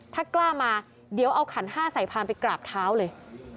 ถ้ากล้ามาเดี๋ยวเอาขันห้าใส่พานไปกราบเท้าเลย